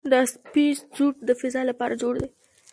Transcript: دا سپېس سوټ د فضاء لپاره جوړ دی.